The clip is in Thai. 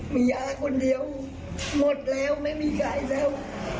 มียาคนเดียวหมดแล้วไม่มีใครแล้ว